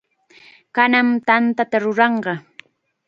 Kanan tantata ruranqam.